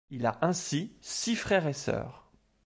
Il a ainsi six frères et sœurs.